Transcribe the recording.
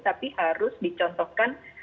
tapi harus dicontohkan